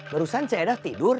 barusan caya dah tidur